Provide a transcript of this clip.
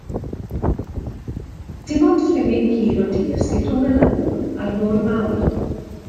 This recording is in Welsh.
Dim ond rhimyn cul o dir sydd rhwng y lagŵn a'r môr mawr.